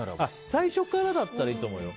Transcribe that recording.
最初からだったらいいと思うよ。